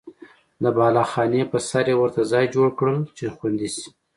د بالاخانې په سر یې ورته ځای جوړ کړل چې خوندي شي.